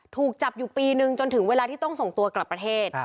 ถูกจับอยู่ปีนึงจนถึงเวลาที่ต้องส่งตัวกลับประเทศ